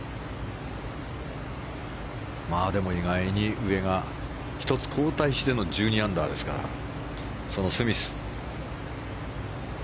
でも、意外に上が１つ後退しての１２アンダーですからそのスミス。